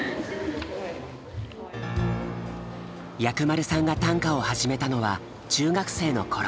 藥丸さんが短歌を始めたのは中学生の頃。